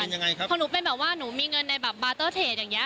ยังไงครับพอหนูเป็นแบบว่าหนูมีเงินในแบบบาร์เตอร์เทจอย่างเงี้